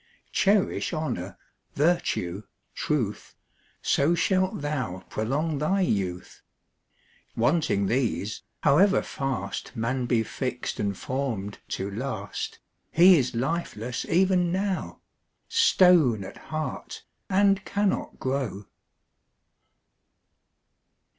Cherish honour, virtue, truth, So shalt thou prolong thy youth. Wanting these, however fast Man be fix'd and form'd to last, He is lifeless even now, Stone at heart, and cannot grow.